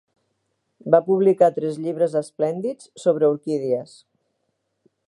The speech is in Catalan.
Va publicar tres llibres esplèndids sobre orquídies.